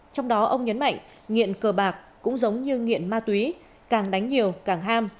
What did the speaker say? trong đó ông nhấn mạnh nghiện cờ bạc cũng giống như nghiện ma túy càng đánh nhiều càng ham